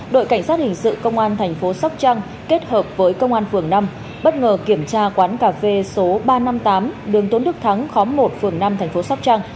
đội cảnh sát hình sự công an tp sóc trăng kết hợp với công an phường năm bất ngờ kiểm tra quán cà phê số ba trăm năm mươi tám đường tốn đức thắng khóm một phường năm tp sóc trăng